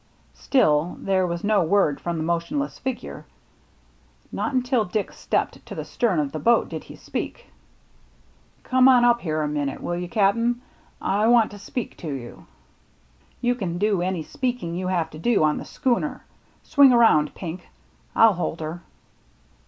" Still there was no word from the motionless figure. Not until Dick stepped to the stern of the boat did he speak. " Come up here a minute, will you, Cap'n ? I want to speak to you." " You can do any speaking you have to do on the schooner. Swing around. Pink. I'll hold her."